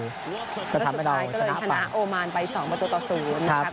แล้วสุดท้ายก็เลยชนะอวามานไปสองประตูตัวศูนย์น่ะครับ